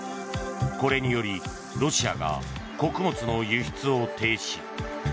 これにより、ロシアが穀物の輸出を停止。